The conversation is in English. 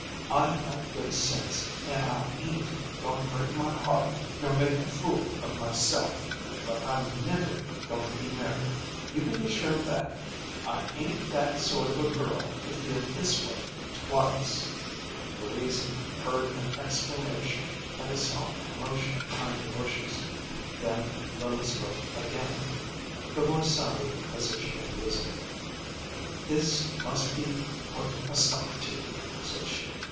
I've got good sense, an' I ain't going to break my heart nor make a fool of myself; but I'm never going to be married, you can be sure of that. I ain't that sort of a girl to feel this way twice." Louisa heard an exclamation and a soft commotion behind the bushes; then Lily spoke again the voice sounded as if she had risen. "This must be put a stop to," said she.